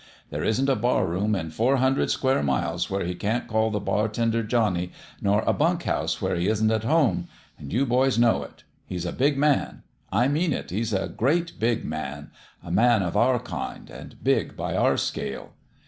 There isn't a barroom in four hundred square miles where he can't call the bartender Johnnie, nor a bunk house where he isn't at home ; an' you boys know it. He's a big man. I mean it : he's a great big man a man of our kind, and big by our scale.